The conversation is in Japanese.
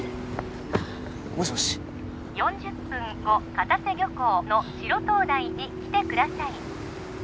もしもし４０分後片瀬漁港の白灯台に来てください